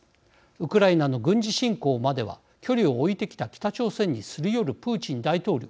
ウクライナの軍事侵攻までは距離を置いてきた北朝鮮にすり寄るプーチン大統領